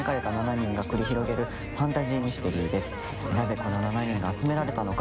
この７人が集められたのか。